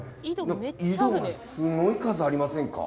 井戸がすごい数ありませんか！？